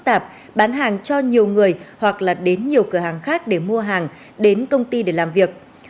tạp bán hàng cho nhiều người hoặc là đến nhiều cửa hàng khác để mua hàng đến công ty để làm việc